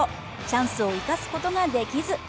チャンスを生かすことができず。